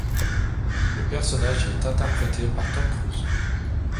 Le personnage y est interprété par Tom Cruise.